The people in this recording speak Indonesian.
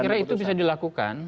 saya kira itu bisa dilakukan